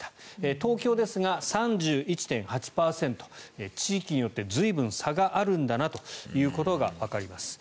東京ですが３１．８％地域によって随分差があるんだなということがわかります。